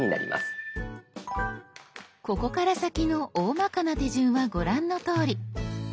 ここから先のおおまかな手順はご覧のとおり。